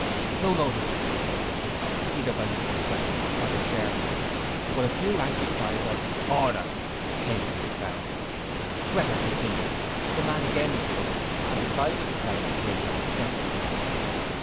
No notice was taken of this request either by Mr Sweater or the chairman, but a few angry cries of 'Order!' came from the crowd. Sweater continued, but the man again interrupted and the cries of the crowd became more threatening.